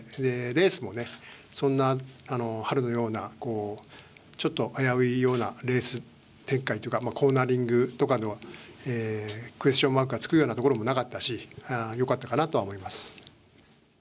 レースもね、そんな春のようなちょっと危ういようなレース展開とかコーナリングとかのクエスチョンマークがつくようなところもなかったしよかったかなとは思います。